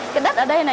cái đất ở đây này